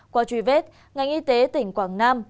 qua truy vết ngành y tế tỉnh quảng nam